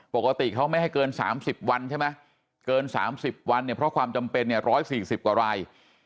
ปกติเขาไม่ให้เกิน๓๐วันเพราะความจำเป็น๑๔๐กว่าราย